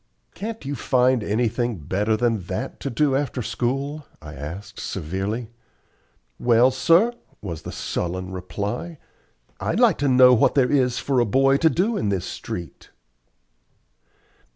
"Can't you find anything better than that to do after school?" I asked, severely. "Well, sir," was the sullen reply, "I'd like to know what there is for a boy to do in this street."